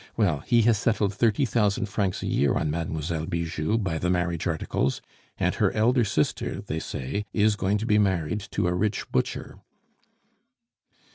"Well, he has settled thirty thousand francs a year on Mademoiselle Bijou by the marriage articles. And her elder sister, they say, is going to be married to a rich butcher."